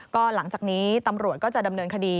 ก็หลังจากนี้ตำรวจก็จะดำเนินคดี